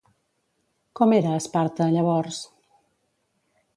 Com era Esparta llavors?